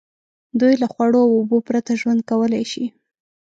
دوی له خوړو او اوبو پرته ژوند کولای شي.